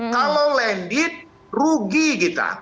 kalau lendit rugi kita